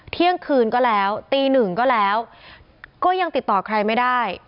เที่ยงคืนก็แล้วตีหนึ่งก็แล้วก็ยังติดต่อใครไม่ได้